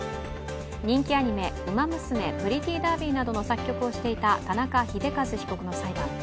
人気アニメ「ウマ娘プリティダービー」などの作曲をしていた田中秀和被告の裁判。